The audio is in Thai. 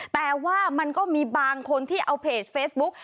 แต่ว่ามันก็มีบางคนที่เอาเพจเฟซบุ๊ก